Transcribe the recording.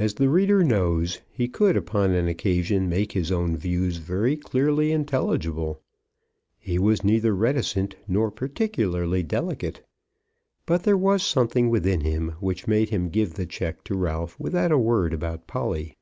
As the reader knows, he could upon an occasion make his own views very clearly intelligible. He was neither reticent nor particularly delicate. But there was something within him which made him give the cheque to Ralph without a word about Polly.